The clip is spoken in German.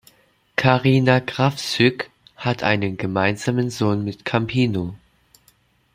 Karina Krawczyk hat einen gemeinsamen Sohn mit Campino.